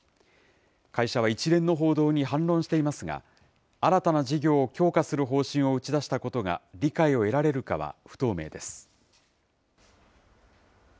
会社は一連の報道に反論していますが、新たな事業を強化する方針を打ち出したことが、理解を得られるかは不透明です。